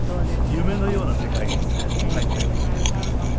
夢のような世界に入ったような気がしましたね。